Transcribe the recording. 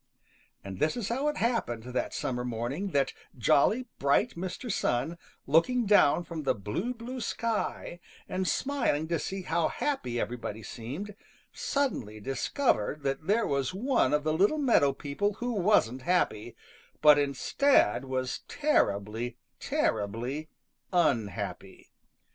And this is how it happened that summer morning that jolly, bright Mr. Sun, looking down from the blue, blue sky and smiling to see how happy everybody seemed, suddenly discovered that there was one of the little meadow people who wasn't happy, but instead was terribly, terribly unhappy.